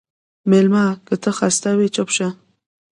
مېلمه ته که خسته وي، چپ شه.